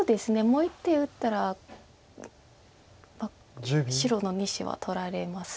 もう１手打ったら白の２子は取られます。